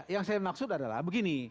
yang saya maksud adalah begini